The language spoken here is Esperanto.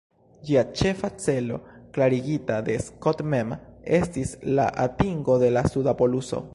Ĝia ĉefa celo, klarigita de Scott mem, estis la atingo de la suda poluso.